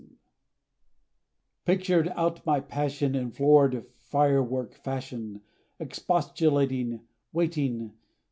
] I PICTURED out my passion, In florid fretwork fashion, Expostulating! Waiting!